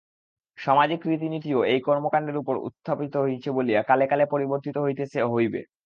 সামাজিক রীতিনীতিও এই কর্মকাণ্ডের উপর উপস্থাপিত বলিয়া কালে কালে পরিবর্তিত হইতেছে ও হইবে।